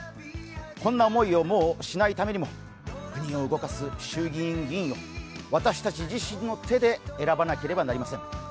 こんな思いをもうしないためにも国を動かす衆議院議員を私たち自身の手で選ばなければなりません。